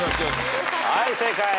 はい正解。